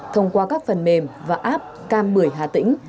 thông qua các phần mềm và app cam bưởi hà tĩnh